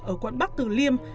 ở quận bắc từ liêm